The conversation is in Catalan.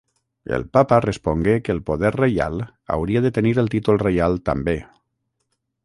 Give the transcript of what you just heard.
El papa respongué que el poder reial hauria de tenir el títol reial també.